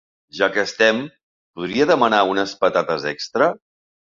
Ja que estem, podria demanar unes patates extra?